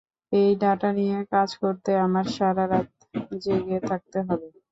এই ডাটা নিয়ে কাজ করতে আমায় সারা রাত জেগে থাকতে হবে।